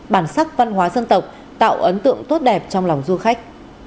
bản sắc văn hóa dân tộc tạo ấn tượng tốt đẹp trong lòng du khách